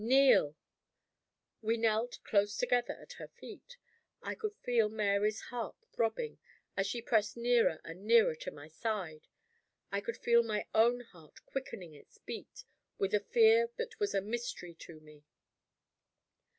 Kneel!" We knelt close together at her feet. I could feel Mary's heart throbbing, as she pressed nearer and nearer to my side. I could feel my own heart quickening its beat, with a fear that was a mystery to me.